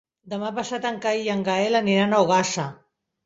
Demà passat en Cai i en Gaël aniran a Ogassa.